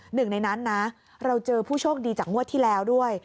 หนึ่งในนั้นนะเราเจอผู้โชคดีจากงวดที่แล้วด้วย